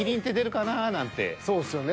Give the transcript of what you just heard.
そうっすよね。